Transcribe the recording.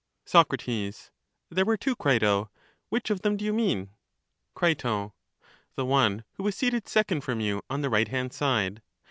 Socrates, There were two, Crito; which of them do vou mean? Cri. The one who was seated second from you on the right hand side.